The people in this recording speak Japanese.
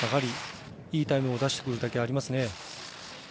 いいタイムを出してくるだけありますね。